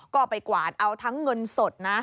ก็ไปกวาดเอาทั้งเงินสดนะ